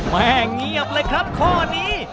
แม่เงียบเลยครับข้อนี้